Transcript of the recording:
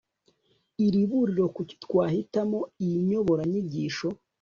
iriburiro kuki twahitamo iyi nyoboranyigisho